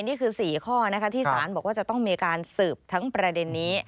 นี่คือ๔ข้อนะคะที่สารบอกว่าจะต้องมีการสืบทั้งประเด็นนี้